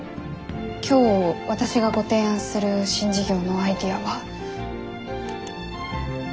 今日私がご提案する新事業のアイデアは。